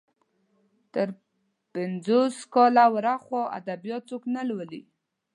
تر پنځوس کاله ور اخوا ادبيات څوک نه لولي.